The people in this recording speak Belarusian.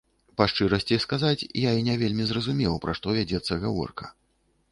Па шчырасці сказаць, я і не вельмі зразумеў, пра што вядзецца гаворка.